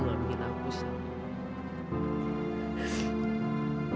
dan kamu gak bikin aku kesel